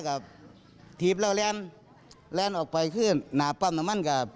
ก็เอาไปคือหน้าปั๊ม